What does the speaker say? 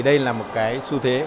đây là một cái xu thế